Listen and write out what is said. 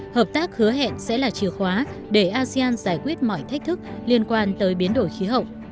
hợp tác hứa hẹn sẽ là chìa khóa để asean giải quyết mọi thách thức liên quan tới biến đổi khí hậu